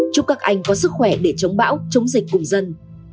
chúc các anh có sức khỏe để chống bão chống dịch cùng dân